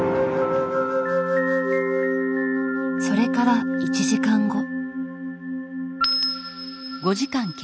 それから１時間後。